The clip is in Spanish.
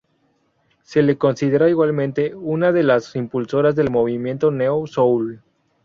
Se le considera igualmente una de las impulsoras del movimiento neo soul.